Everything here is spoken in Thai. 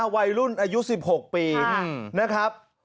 วัยรุ่นอายุ๑๖ปีนะครับ